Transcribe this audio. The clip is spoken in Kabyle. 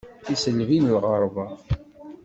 Tiselbi n lɣerba.